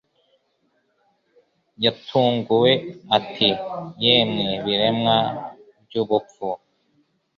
Yatunguwe ati Yemwe biremwa byubupfu